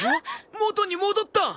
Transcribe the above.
元に戻った！